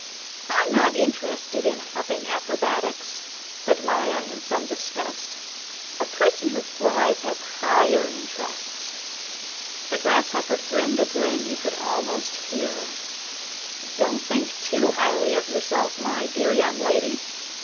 "I'm not interested in hopping acrobatics," said Maya in some disgust. "A person who flies has higher interests." The grasshopper grinned a grin you could almost hear. "Don't think too highly of yourself, my dear young lady.